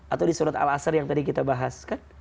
atau di surat al azhar yang tadi kita bahas kan